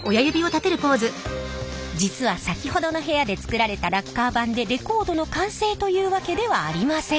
実はさきほどの部屋で作られたラッカー盤でレコードの完成というわけではありません。